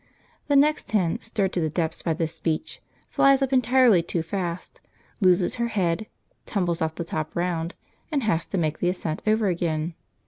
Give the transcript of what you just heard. The next hen, stirred to the depths by this speech, flies up entirely too fast, loses her head, tumbles off the top round, and has to make the ascent over again.